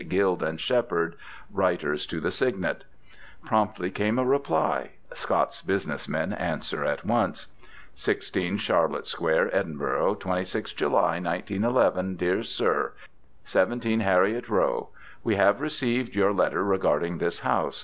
Guild and Shepherd, Writers to the Signet. Promptly came a reply (Scots business men answer at once). 16 Charlotte Square, Edinburgh. 26th July, 1911 DEAR SIR, 17 HERIOT ROW We have received your letter regarding this house.